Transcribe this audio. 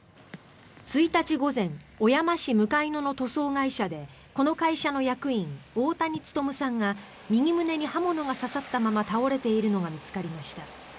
１日午前小山市向野の塗装会社でこの会社の役員大谷力さんが右胸に刃物が刺さったまま倒れているのが見つかりました。